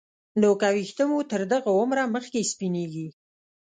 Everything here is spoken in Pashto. نو که ویښته مو تر دغه عمره مخکې سپینېږي